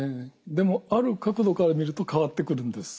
でもある角度から見ると変わってくるんです。